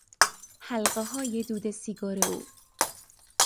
حلقههای دود سیگار او